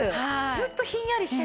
ずっとひんやりしてて。